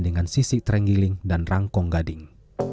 dengan sisik terenggiling dan rangkong gading